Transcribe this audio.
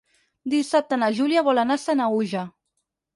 Dissabte na Júlia vol anar a Sanaüja.